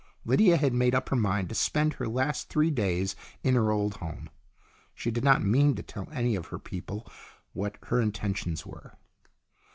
Lydia had made up her mind to spend her last three days in her old home. She did not mean to tell any of her people what her intentions were.